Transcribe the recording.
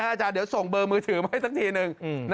อาจารย์เดี๋ยวส่งเบอร์มือถือมาให้สักทีหนึ่ง